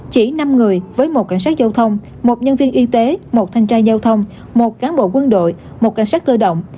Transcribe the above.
chỉ năm người với một cảnh sát giao thông một nhân viên y tế một thanh tra giao thông một cán bộ quân đội một cảnh sát cơ động